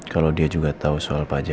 kalau dia juga tahu soal pak jaja